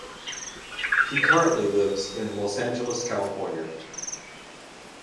He currently lives in Los Angeles, California.